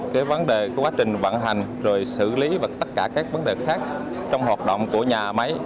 cái vấn đề của quá trình vận hành rồi xử lý và tất cả các vấn đề khác trong hoạt động của nhà máy